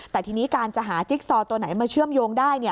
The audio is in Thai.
แต่ทีนี้การจะหาจิ๊กซอตัวไหนมาเชื่อมโยงได้